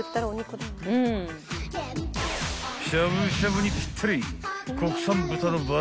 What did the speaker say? ［しゃぶしゃぶにぴったり！］